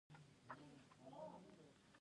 دویم نړیوال جنګ پیل شو.